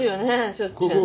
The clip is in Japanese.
しょっちゅうね。